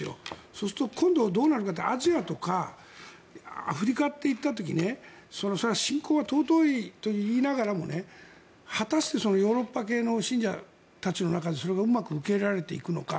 そうすると今度、どうなるかというとアジアとかアフリカといった時にそれは信仰は尊いといいながらも果たしてヨーロッパ系の信者たちの中でそれがうまく受け入れられていくのか。